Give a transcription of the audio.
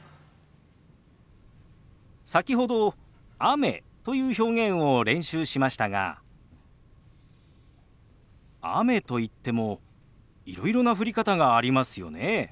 先ほど「雨」という表現を練習しましたが雨といってもいろいろな降り方がありますよね。